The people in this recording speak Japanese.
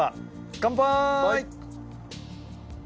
乾杯。